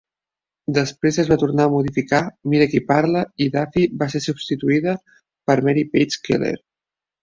Després es va tornar a modificar "Mira qui parla" i Duffy va ser substituïda per Mary Page Keller.